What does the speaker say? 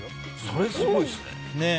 それ、すごいですね。